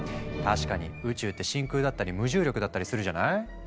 確かに宇宙って真空だったり無重力だったりするじゃない？